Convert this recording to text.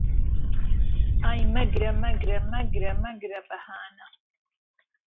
ئای مهگره مهگره مهگره مهگره بههانه